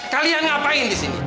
kalian ngapain di sini